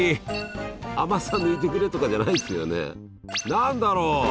何だろう。